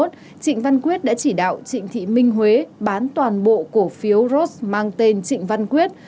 trịnh văn quyết đã chỉ đạo trịnh thị minh huế bán toàn bộ cổ phiếu ros mang tên trịnh văn quyết